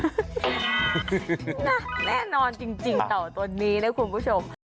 แน่นอนจริงเต่าตัวนี้นะคุณผู้ชม